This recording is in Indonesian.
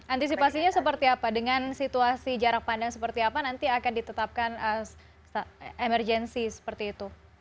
antisipasinya seperti apa dengan situasi jarak pandang seperti apa nanti akan ditetapkan emergensi seperti itu